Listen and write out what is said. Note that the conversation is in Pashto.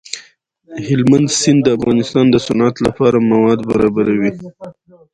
هلمند سیند د افغانستان د صنعت لپاره مواد برابروي.